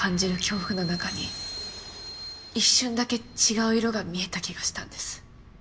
あな一瞬だけ違う色が見えた気がしたんです。